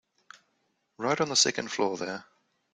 Right on the second floor there.